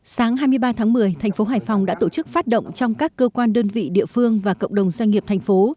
sáng hai mươi ba tháng một mươi thành phố hải phòng đã tổ chức phát động trong các cơ quan đơn vị địa phương và cộng đồng doanh nghiệp thành phố